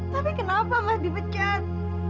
tapi kenapa mas dipecat